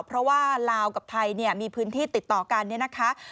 เพราะว่าลาวกับไทยมีพื้นที่ติดต่อกันเนี่ยนะคะ